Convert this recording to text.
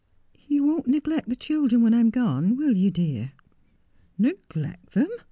' You won't neglect the children when I'm gone, will you, dear 1 '' Neglect them !